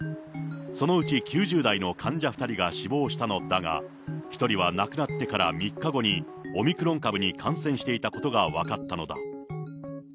そのうち９０代の患者２人が死亡したのだが、１人は亡くなってから３日後に、オミクロン株に感染していたことが分かったのだ。